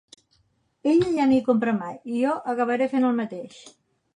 Ella ja no hi compra mai, i jo acabaré fent el mateix.